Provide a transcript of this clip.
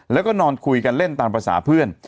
แล้วก็นอนคุยกันเล่นตามภาษาเพื่อน